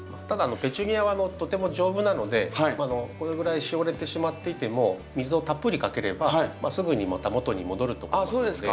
ただペチュニアはとても丈夫なのでこのぐらいしおれてしまっていても水をたっぷりかければすぐにまた元に戻ると思いますので。